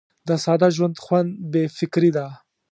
د ساده ژوند خوند بې فکري ده.